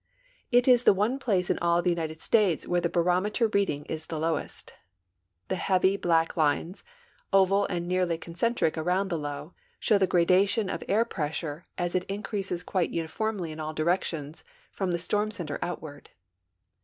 It is the one place in all the United States where the barometer reading is the lowest. The heavy, black lines, oval and nearly concentric about the low, show the gradation of air pressure as it increases quite unifornil}' in all directions from the storm center outward.